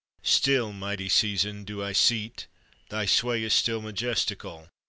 Still, mighty Season, do I see't, Thy sway is still majestical!